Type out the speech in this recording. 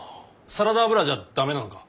サラダ油じゃダメなのか？